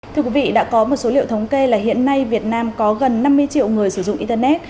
thưa quý vị đã có một số liệu thống kê là hiện nay việt nam có gần năm mươi triệu người sử dụng internet